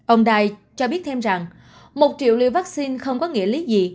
ông dai cho biết thêm rằng một triệu liều vắc xin không có nghĩa lý gì